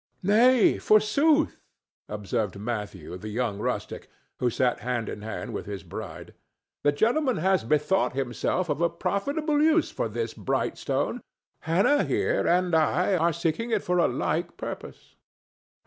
"Nay, forsooth," observed Matthew, the young rustic, who sat hand in hand with his bride, "the gentleman has bethought himself of a profitable use for this bright stone. Hannah here and I are seeking it for a like purpose."